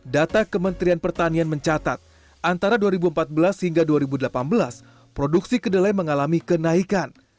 data kementerian pertanian mencatat antara dua ribu empat belas hingga dua ribu delapan belas produksi kedelai mengalami kenaikan